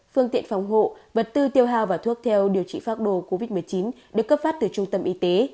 phương tiện phòng hộ vật tư tiêu hào và thuốc theo điều trị phác đồ covid một mươi chín được cấp phát từ trung tâm y tế